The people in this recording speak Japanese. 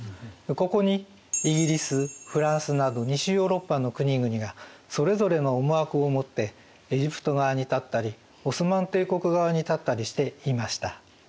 ここにイギリスフランスなど西ヨーロッパの国々がそれぞれの思惑を持ってエジプト側に立ったりオスマン帝国側に立ったりしていました。